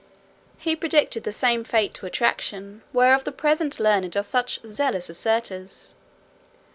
He predicted the same fate to attraction, whereof the present learned are such zealous asserters.